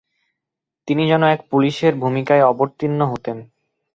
তিনি যেন এক পুলিশের ভূমিকায় অবতীর্ণ হতেন।